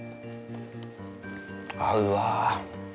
合うわあ。